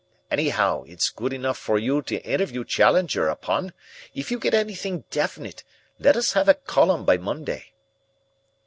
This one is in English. Anyhow, it's good enough for you to interview Challenger upon. If you get anything definite, let us have a column by Monday."